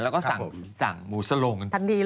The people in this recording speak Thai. แล้วก็สั่งหมูสลงกัน